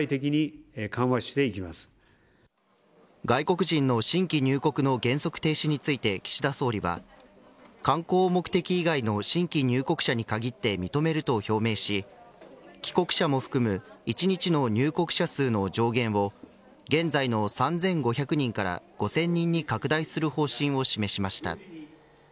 外国人の新規入国の原則停止について岸田総理は観光目的以外の新規入国者に限って認めると表明し帰国者も含む１日の入国者数の上限を現在の３５００人から５０００人に拡大する方針を示しました。